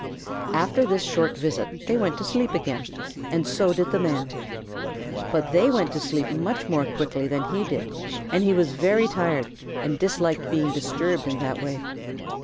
After this short visit they went to sleep again, and so did the Man. But they went to sleep much more quickly than he did, and he was very tired and disliked being disturbed in that way.